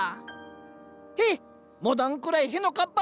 へっモダンぐらいへのかっぱ！